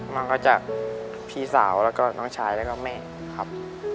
มันก็จากพี่สาวแล้วก็น้องชายแล้วก็แม่ครับ